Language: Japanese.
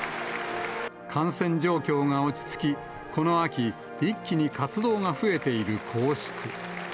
感染状況が落ち着き、この秋、一気に活動が増えている皇室。